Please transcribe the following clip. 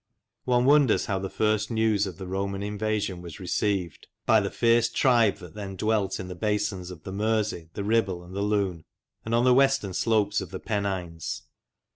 One wonders how the first news of the Roman invasion was received by the fierce tribe that then dwelt in the basins of the Mersey, the Ribble, and the Lune, and on the western slopes of the Pennines.